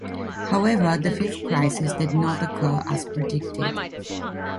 However, the Fifth Crisis did not occur as predicted.